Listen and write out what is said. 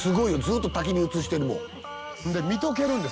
ずっとたき火映してるもん」